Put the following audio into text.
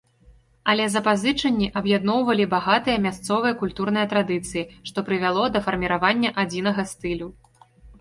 Але запазычанні аб'ядноўвалі багатыя мясцовыя культурныя традыцыі, што прывяло да фарміравання адзінага стылю.